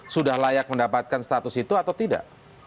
sudah layak mendapatkan status itu atau tidak